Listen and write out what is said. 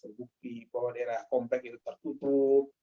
berbukti bahwa daerah kompleks itu tertutup